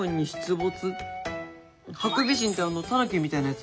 ハクビシンってあのたぬきみたいなやつ？